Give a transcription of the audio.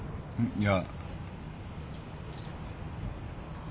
いや。